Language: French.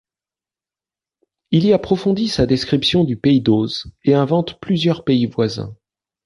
Il y approfondit sa description du pays d'Oz et invente plusieurs pays voisins.